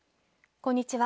こんにちは。